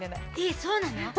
え、そうなの？